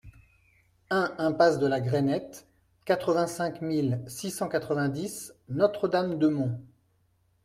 un impasse de la Grainette, quatre-vingt-cinq mille six cent quatre-vingt-dix Notre-Dame-de-Monts